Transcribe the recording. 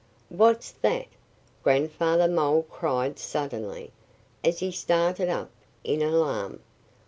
"What's that?" Grandfather Mole cried suddenly, as he started up in alarm.